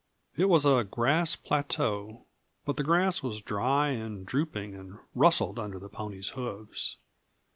It was a grass plateau, but the grass was dry and drooping and rustled under the ponies' hoofs.